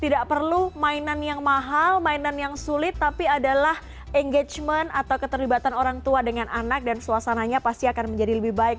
tidak perlu mainan yang mahal mainan yang sulit tapi adalah engagement atau keterlibatan orang tua dengan anak dan suasananya pasti akan menjadi lebih baik